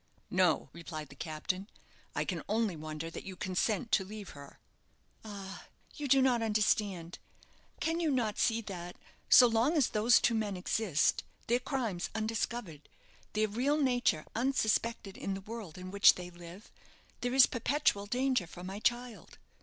"No," replied the captain; "I can only wonder that you consent to leave her." "Ah, you do not understand. Can you not see that, so long as those two men exist, their crimes undiscovered, their real nature unsuspected in the world in which they live, there is perpetual danger for my child?